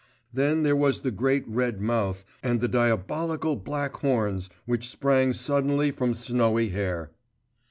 Then there was the great red mouth and the diabolical black horns which sprang suddenly from snowy hair.